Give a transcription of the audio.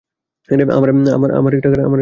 আমার একটা কারণ দরকার।